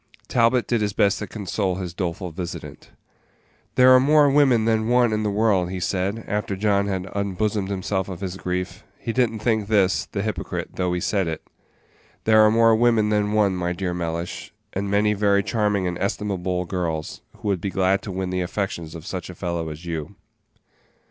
Talbot did his best to console his doleful visitant. "There are more women than one in the world," he said, after John had unbosomed himself of his grief he did n't think this, the hypocrite, though he said it "there are more women than one, my dear Mellish, and many very charming and estimable girls, who would be glad to win the affections of such a fellow as you."